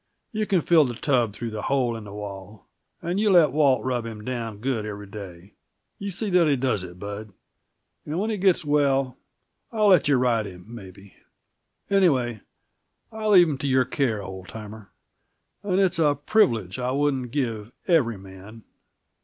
You can fill his tub through that hole in the wall. And you let Walt rub him down good every day you see that he does it, Bud! And when he gets well, I'll let you ride him, maybe. Anyway, I leave him in your care, old timer. And it's a privilege I wouldn't give every man.